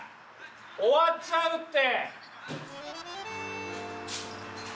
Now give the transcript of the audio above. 終わっちゃうって！